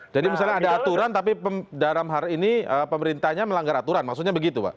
jadi misalnya ada aturan tapi dalam hal ini pemerintahnya melanggar aturan maksudnya begitu pak